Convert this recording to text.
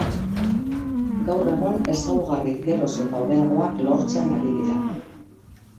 Gaur egun ezaugarri geroz eta hobeagoak lortzen ari dira.